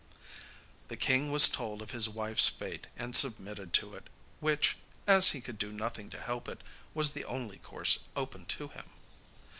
The king was told of his wife's fate and submitted to it, which, as he could do nothing to help it, was the only course open to him.